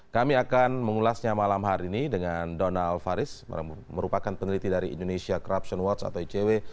kami akan mengulasnya malam hari ini dengan donald faris merupakan peneliti dari indonesia corruption watch atau icw